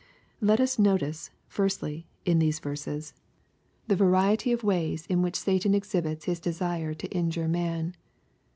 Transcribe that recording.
Let us notice, firstly, in these verses, tfie variety of LUKE, CHAP. Xr. n u ays t7i which Satan exhibits his desire to injure man.